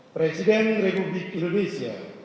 presiden republik indonesia